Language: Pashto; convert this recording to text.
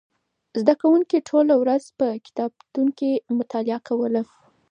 زده کوونکو ټوله ورځ په کتابتون کې مطالعه کوله.